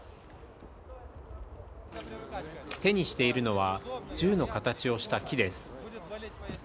手にしているのは銃の形をした木です。